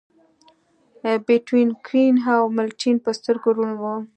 بیتووین کوڼ و او ملټن په سترګو ړوند و